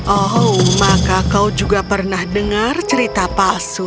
oh maka kau juga pernah dengar cerita palsu